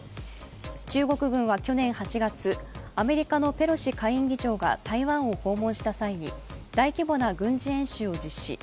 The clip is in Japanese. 中国軍は去年８月アメリカのペロシ下院議長が台湾を訪問した際に大規模な軍事演習を実施。